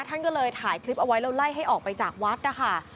ท่านก็เลยถ่ายคลิปเอาไว้แล้วไล่ให้ออกไปจากวัดนะคะ